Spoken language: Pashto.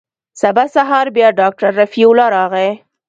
سبا سهار بيا ډاکتر رفيع الله راغى.